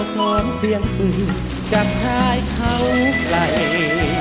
เวลสอนเสียงจะจ้ายเกั้วไกร